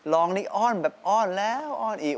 รองนี้อ้อนแบบอ้อนแล้วอ้อนอีก